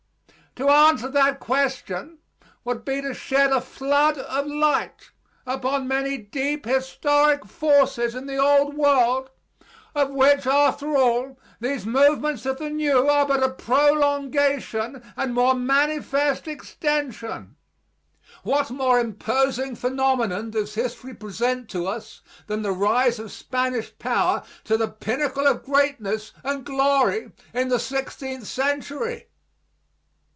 To answer that question would be to shed a flood of light upon many deep historic forces in the Old World, of which, after all, these movements of the New are but a prolongation and more manifest extension. What more imposing phenomenon does history present to us than the rise of Spanish power to the pinnacle of greatness and glory in the sixteenth century?